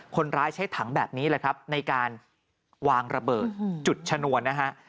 คนร้ายใช้ถังแบบนี้แหละครับในการวางระเบิดจุดชนวนนะฮะ